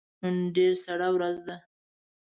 نن ډیره سړه ورځ ده